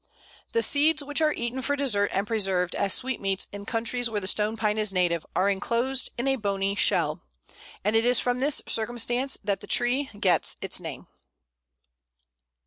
The seeds, which are eaten for dessert and preserved as sweetmeats in the countries where the Stone Pine is native, are enclosed in a bony shell, and it is from this circumstance that the tree gets its name.